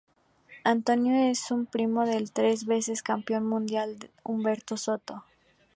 Antonio es un primo del tres veces campeón mundial Humberto Soto.